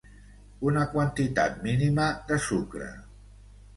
Una quantitat mínima de sucre.